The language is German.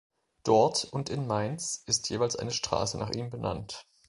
Dort und in Mainz ist jeweils eine Straße nach ihm benannt.